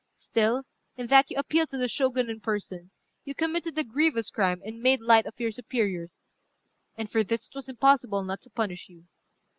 Still, in that you appealed to the Shogun in person, you committed a grievous crime, and made light of your superiors; and for this it was impossible not to punish you.